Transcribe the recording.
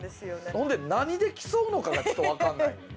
ほんで何で競うのかがちょっとわかんないねんね。